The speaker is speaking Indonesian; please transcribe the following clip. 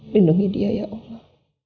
lindungi dia ya allah